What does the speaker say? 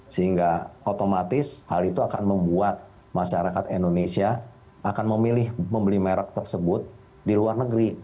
sehingga otomatis hal itu akan membuat masyarakat indonesia akan memilih membeli merek tersebut di luar negeri